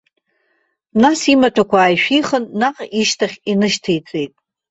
Нас имаҭәақәа ааишәихын, наҟ ишьҭахь инышьҭеиҵеит.